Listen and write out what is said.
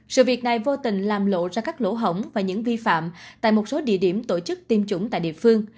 sự việc này vô tình làm lộ ra các lỗ hổng và những vi phạm tại một số địa điểm tổ chức tiêm chủng tại địa phương